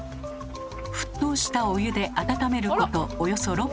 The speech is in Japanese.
沸騰したお湯で温めることおよそ６分。